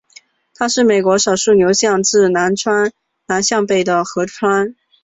它是美国少数流向自南向北的河川。